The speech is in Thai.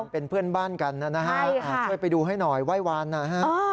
เป็นเพื่อนบ้านกันนะฮะช่วยไปดูให้หน่อยไหว้วานนะฮะ